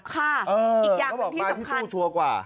ค่ะอีกอย่างหนึ่งที่สำคัญ